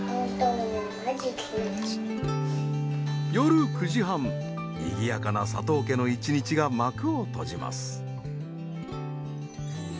夜９時半にぎやかな佐藤家の一日が幕を閉じます。